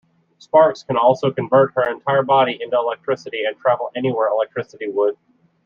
Sparks can also convert her entire body into electricity and travel anywhere electricity would.